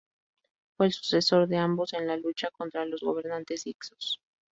Fue el sucesor de ambos en la lucha contra los gobernantes hicsos.